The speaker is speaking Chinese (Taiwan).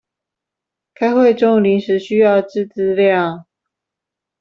開會中臨時需要之資料